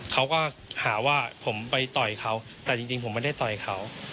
เขาก็หาว่าผมไปต่อยเขาแต่จริงผมไม่ได้ต่อยเขา